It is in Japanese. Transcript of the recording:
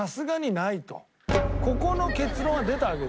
ここの結論は出たわけですけれども。